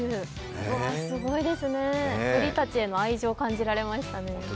すごいですね、鳥たちへの愛情を感じられましたね。